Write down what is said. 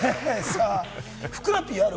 ふくらＰ、何かある？